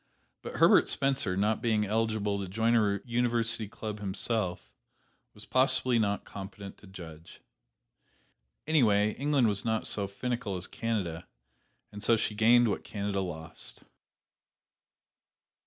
But Herbert Spencer, not being eligible to join a university club himself, was possibly not competent to judge. Anyway, England was not so finical as Canada, and so she gained what Canada lost.